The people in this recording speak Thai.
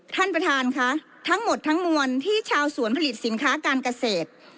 ท่านประธานค่ะทั้งหมดทั้งมวลที่ชาวสวนผลิตสินค้าการเกษตร